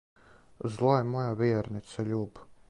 "Зло је моја вијернице љубо!"